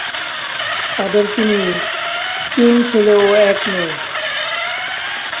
তাদের তিনি তিন ছেলে ও এক মেয়ে।